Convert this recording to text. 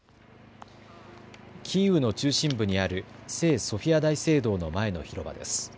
キーウの中心部にある聖ソフィア大聖堂の前の広場です。